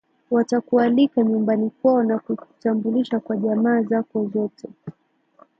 watakualika nyumbani kwao na kukutambulisha kwa jamaa zako zote